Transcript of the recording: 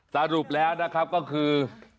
สรุปแล้วนะครับก็คือ